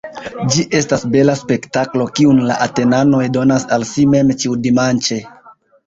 Ĝi estas bela spektaklo, kiun la Atenanoj donas al si mem ĉiudimanĉe.